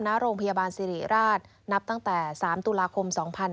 ณโรงพยาบาลสิริราชนับตั้งแต่๓ตุลาคม๒๕๕๙